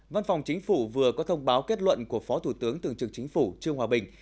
văn phòng chính phủ vừa có thông báo kết luận của phó thủ tướng tường trưởng chính phủ trương hòa bình